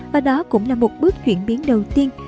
và đó cũng là một bước chuyển biến đầu tiên